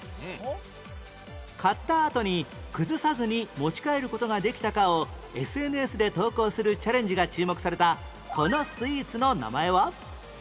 買ったあとに崩さずに持ち帰る事ができたかを ＳＮＳ で投稿するチャレンジが注目されたこのスイーツの名前は？